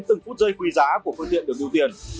từng phút giây quý giá của phương tiện được ưu tiên